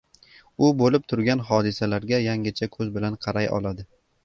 u bo‘lib turgan hodisalarga yangicha ko‘z bilan qaray oladi.